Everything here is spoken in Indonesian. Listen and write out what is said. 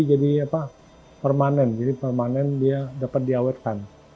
jadi permanen jadi permanen dia dapat diawetkan